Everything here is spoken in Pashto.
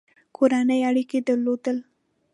کورني اړیکي درلودل.